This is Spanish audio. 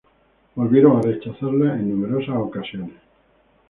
Volvieron a rechazarla en numerosas ocasiones.